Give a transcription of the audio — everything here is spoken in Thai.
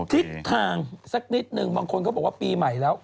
ทิศทางสักนิดนึงบางคนเขาบอกว่าปีใหม่แล้ว